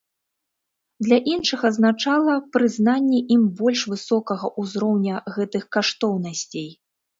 Для іншых азначала прызнанне ім больш высокага ўзроўня гэтых каштоўнасцей.